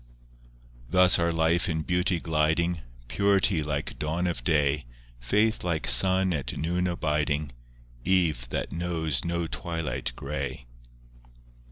VII Thus our life in beauty gliding— Purity like dawn of day, Faith like sun at noon abiding, Eve that knows no twilight grey.